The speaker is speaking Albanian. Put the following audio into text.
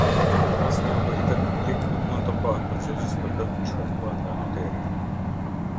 Asnjë autoritet publik nuk mund të mbahet përgjegjës për dëmin e shkaktuar nga noteri.